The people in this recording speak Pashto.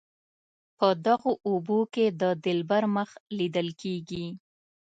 په دغو اوبو کې د دلبر مخ لیدل کیږي.